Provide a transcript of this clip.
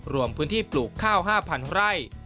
รวมพื้นที่ปลูกข้าว๕๐๐ไร่